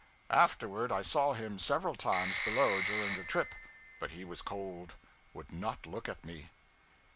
Afterward I saw him several times below during the trip; but he was cold would not look at me.